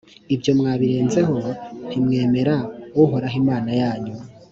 ibyo mwabirenzeho ntimwemera uhoraho imana yanyu